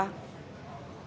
oh begini lagi